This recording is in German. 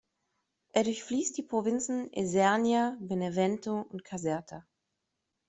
Er durchfließt die Provinzen Isernia, Benevento und Caserta.